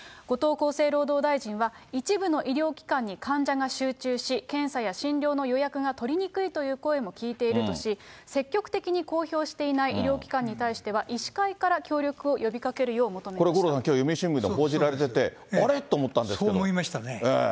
後藤厚生労働大臣は、一部の医療機関に患者が集中し、検査や診療の予約が取りにくいという声も聞いているとし、積極的に公表していない医療機関に対しては医師会から協力を呼びこれ五郎さん、読売新聞で報じられてそう思いましたね。